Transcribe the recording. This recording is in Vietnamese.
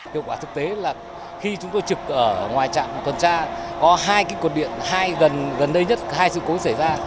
điều quả thực tế là khi chúng tôi trực ở ngoài trạm tuần tra có hai cái cột điện hai gần đây nhất hai sự cố xảy ra